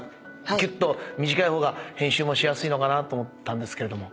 きゅっと短い方が編集もしやすいのかなと思ったんですけれども。